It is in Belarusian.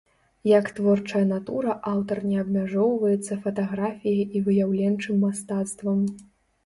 Як творчая натура аўтар не абмяжоўваецца фатаграфіяй і выяўленчым мастацтвам.